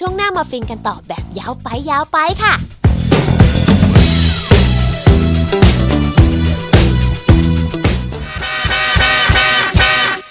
วิธีกันได้ขอบคุณต่อไป